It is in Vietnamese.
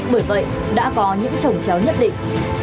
bởi vậy đã có những trồng chéo nhất định